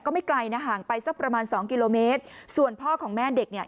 ไม่ไกลนะห่างไปสักประมาณสองกิโลเมตรส่วนพ่อของแม่เด็กเนี่ย